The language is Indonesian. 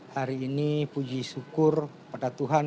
hari ini puji syukur kepada tuhan